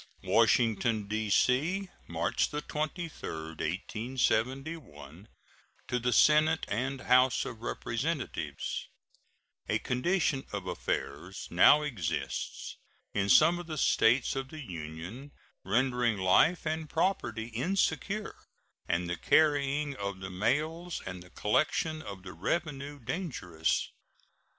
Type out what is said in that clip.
WASHINGTON, D.C., March 23, 1871. To the Senate and House of Representatives: A condition of affairs now exists in some of the States of the Union rendering life and property insecure and the carrying of the mails and the collection of the revenue dangerous.